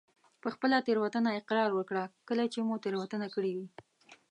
په خپله تېروتنه اقرار وکړه کله چې مو تېروتنه کړي وي.